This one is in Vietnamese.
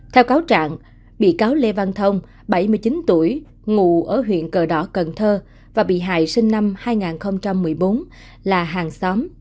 theo cáo trạng bị cáo lê văn thông bảy mươi chín tuổi ngụ ở huyện cờ đỏ cần thơ và bị hại sinh năm hai nghìn một mươi bốn là hàng xóm